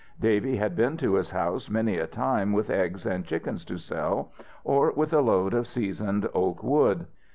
Davy had been to his house many a time with eggs and chickens to sell, or with a load of seasoned oak wood.